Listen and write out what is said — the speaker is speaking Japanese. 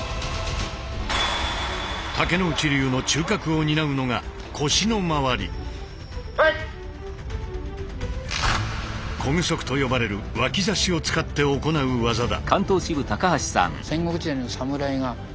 竹内流の中核を担うのが小具足と呼ばれる脇差を使って行う技だ。